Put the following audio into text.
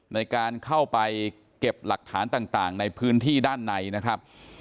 ในการเข้าไปเก็บหลักฐานต่างในพื้นที่ด้านในนะครับ